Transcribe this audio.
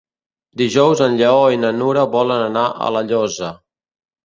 Dijous en Lleó i na Nura volen anar a La Llosa.